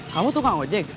kamu tuh pak ojek